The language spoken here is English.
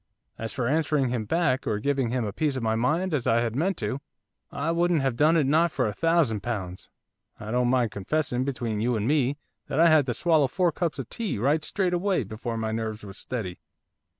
As for answering him back, or giving him a piece of my mind, as I had meant to, I wouldn't have done it not for a thousand pounds. I don't mind confessing, between you and me, that I had to swallow four cups of tea, right straight away, before my nerves was steady.